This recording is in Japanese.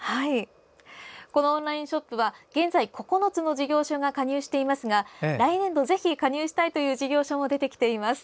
このオンラインショップは現在９事業所が加入していますが来年度ぜひ加入したいという事業所も出てきています。